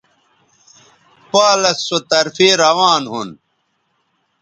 پالس سو طرفے روان ھون